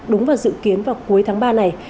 đúng vào dự kiến vào cuối tháng ba này